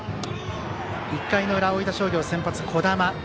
１回の裏、大分商業先発、児玉。